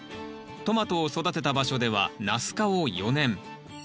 トマトを育てた場所ではナス科を４年。